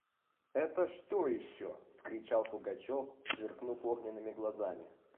– Это что еще! – вскричал Пугачев, сверкнув огненными глазами.